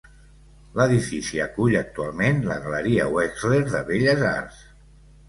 L'edifici acull actualment la galeria Wexler de belles arts.